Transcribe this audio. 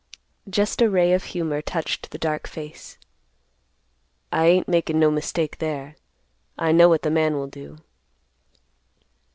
Just a ray of humor touched the dark face. "I ain't makin' no mistake there. I know what the man will do."